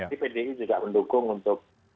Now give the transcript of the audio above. ini pdi juga mendukung untuk